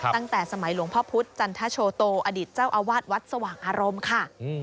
ตั้งแต่สมัยหลวงพ่อพุทธจันทโชโตอดีตเจ้าอาวาสวัดสว่างอารมณ์ค่ะ